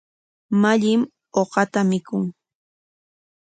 Mallim uqata mikun.